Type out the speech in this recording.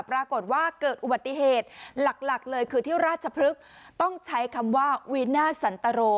ปรากฏว่าเกิดอุบัติเหตุหลักหลักเลยคือที่ราชพฤกษ์ต้องใช้คำว่าวินาทสันตรโร